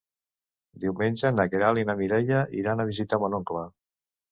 Diumenge na Queralt i na Mireia iran a visitar mon oncle.